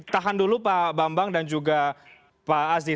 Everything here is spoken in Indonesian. tahan dulu pak bambang dan juga pak aziz